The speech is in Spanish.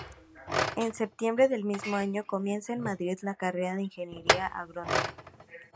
En septiembre del mismo año, comienza en Madrid la carrera de Ingeniería Agrónoma.